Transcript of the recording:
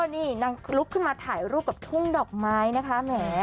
นี่นางลุกขึ้นมาถ่ายรูปกับทุ่งดอกไม้นะคะแหม